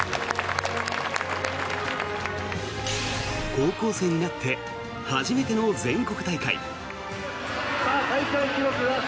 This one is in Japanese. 高校生になって初めての全国大会。